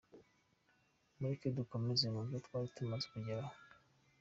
Mureke dukomereze ku byo twari tumaze kugeraho.